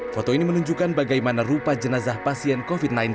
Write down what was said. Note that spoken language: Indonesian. foto ini menunjukkan bagaimana rupa jenazah pasien covid sembilan belas